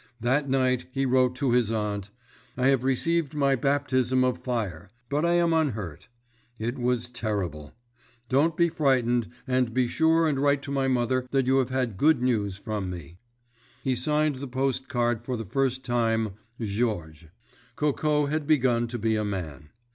That night he wrote to his aunt: "I have received my baptism of fire, but I am unhurt. It was terrible. Don't be frightened, and be sure and write to my mother that you have had good news from me." He signed the post card for the first time "Georges." Coco had begun to be a man.